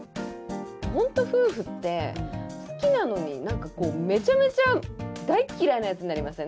本当、夫婦って好きなのになんかこう、めちゃめちゃ大嫌いなやつになりません？